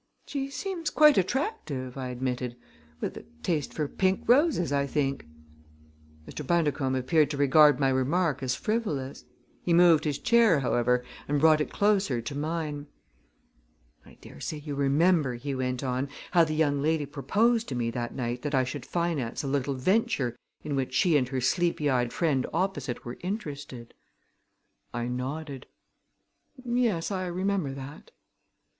"She seems quite attractive," I admitted, "with a taste for pink roses, I think." Mr. Bundercombe appeared to regard my remark as frivolous. He moved his chair, however, and brought it closer to mine. "I dare say you remember," he went on, "how the young lady proposed to me that night that I should finance a little venture in which she and her sleepy eyed friend opposite were interested." I nodded. "Yes, I remember that."